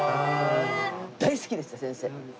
大好きでした先生。